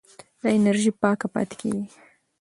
دا انرژي پاکه پاتې کېږي.